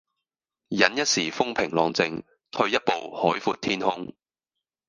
忍一時風平浪靜，退一步海闊天空